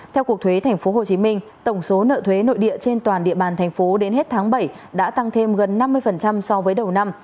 theo cục thuế tp hcm tổng số nợ thuế nội địa trên toàn địa bàn thành phố đến hết tháng bảy đã tăng thêm gần năm mươi so với đầu năm